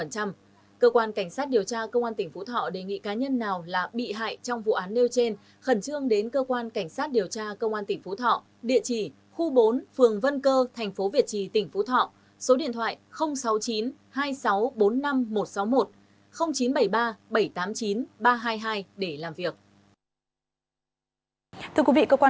cơ quan cảnh sát điều tra công an tỉnh phú thọ đề nghị cá nhân nào là bị hại trong vụ án nêu trên khẩn trương đến cơ quan cảnh sát điều tra công an tỉnh phú thọ địa chỉ khu bốn phường vân cơ thành phố việt trì tỉnh phú thọ